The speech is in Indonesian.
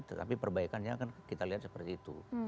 tetapi perbaikannya kan kita lihat seperti itu